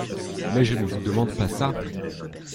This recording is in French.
Mais je ne vous demande pas ça !